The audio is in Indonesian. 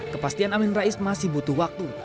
kepastian amin rais masih butuh waktu